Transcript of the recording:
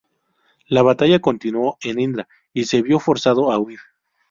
La batalla continuó e Indra se vio forzado a huir.